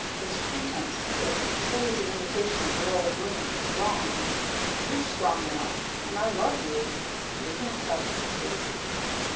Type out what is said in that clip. This pretense, this sleazy imitation of your old room is wrong. You're strong enough, and I love you you can accept truth."